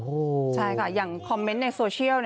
ใช่ค่ะอย่างคอมเมนต์ในโซเชียล